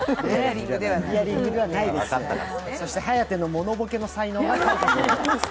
そして颯のモノボケの才能が開花した。